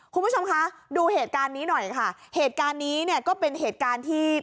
คุณผู้ชมคะดูเหตุการณ์นี้หน่อยค่ะเหตุการณ์นี้เนี่ยก็เป็นเหตุการณ์ที่